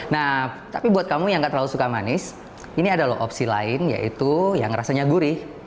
nah tapi buat kamu yang nggak terlalu suka manis ini ada loh opsi lain yaitu yang rasanya gurih